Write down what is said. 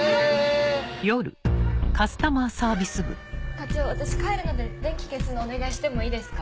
課長私帰るので電気消すのお願いしてもいいですか？